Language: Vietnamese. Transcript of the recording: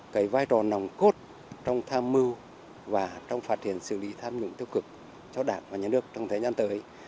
cái vai trò nòng cốt trong tham mưu và trong phát triển xử lý tham nhũng tiêu cực cho đảng và nhà nước trong thời gian tới